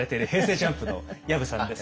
ＪＵＭＰの薮さんです。